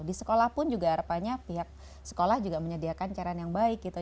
di sekolah pun juga harapannya pihak sekolah juga menyediakan cairan yang baik gitu